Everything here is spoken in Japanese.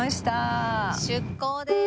出航です。